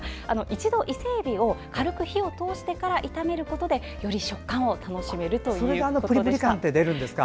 一度、伊勢えびを軽く火を通してから炒めることでより食感を楽しめるということでした。